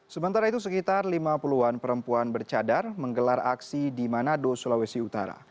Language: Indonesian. sementara itu sekitar lima puluh an perempuan bercadar menggelar aksi di manado sulawesi utara